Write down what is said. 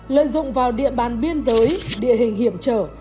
lợi dụng vào địa bàn biên giới địa hình hiểm trở